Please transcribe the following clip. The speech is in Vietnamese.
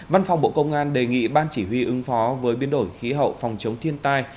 văn phòng bộ công an đề nghị ban chỉ huy ứng phó với biến đổi khí hậu phòng chống thiên tai